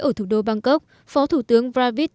ở thủ đô bangkok phó thủ tướng pravid